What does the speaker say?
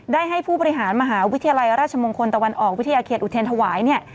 ได้ให้ผู้บริหารมหาวิทยาลัยราชมงคลตะวันออกวิทยาเขตอุเทรนธวายเนี่ย